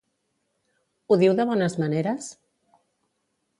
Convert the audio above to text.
Ho diu de bones maneres?